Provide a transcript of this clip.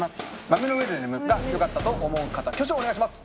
「豆の上で眠る」がよかったと思う方挙手をお願いします。